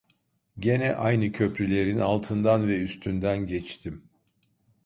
Gene aynı köprülerin altından ve üstünden geçtim.